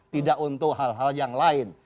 tidak untuk hal hal yang lain